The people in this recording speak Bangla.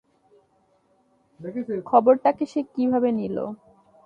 খবরটাকে সে কীভাবে নিলো?